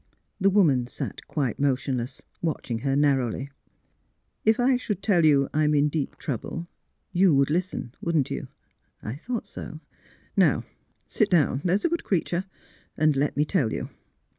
The woman sat quite motionless, watching her narrowly. '' If I should tell you I am in deep trouble, you would listen; wouldn't you? — I thought so. Now, sit down — there's a good creature, and let me tell you."